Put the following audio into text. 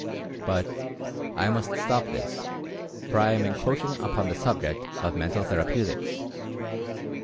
But, I must stop this, for I am encroaching upon the subject of Mental Therapeutics.